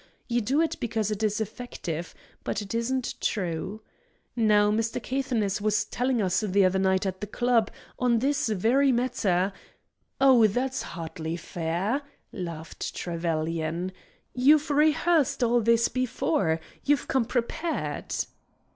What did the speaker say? You do it because it is effective; but it isn't true. Now Mr. Caithness was telling us the other night at the club, on this very matter " "Oh, that's hardly fair," laughed Trevelyan; "you've rehearsed all this before. You've come prepared."